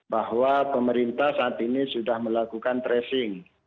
bahwa pemerintah saat ini sudah melakukan tracing